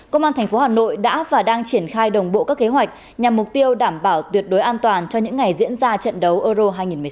công an tp hà nội đã và đang triển khai đồng bộ các kế hoạch nhằm mục tiêu đảm bảo tuyệt đối an toàn cho những ngày diễn ra trận đấu euro hai nghìn một mươi chín